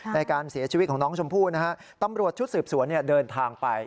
ในการเสียชีวิตของน้องชมพู่นะฮะตำรวจชุดสืบสวนเดินทางไป